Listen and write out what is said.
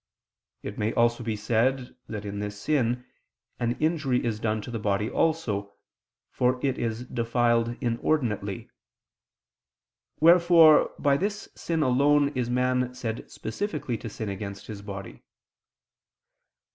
It may also be said that in this sin, an injury is done to the body also, for it is defiled inordinately: wherefore by this sin alone is man said specifically to sin against his body.